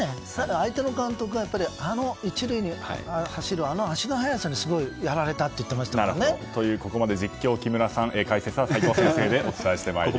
相手の監督があの１塁に走るあの足の速さにやられたと言っていましたね。というここまで実況、木村さん解説、齋藤先生でお伝えしてまいりました。